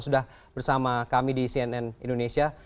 sudah bersama kami di cnn indonesia